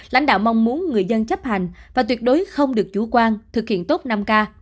lãnh đạo mong muốn người dân chấp hành và tuyệt đối không được chủ quan thực hiện tốt năm k